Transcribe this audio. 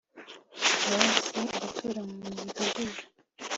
na bose gutura mu midugudu